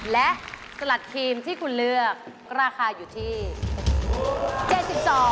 และสลัดครีมที่คุณเลือกราคาอยู่ที่๗๒บาท